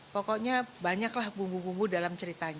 pokoknya banyaklah bumbu bumbu dalam ceritanya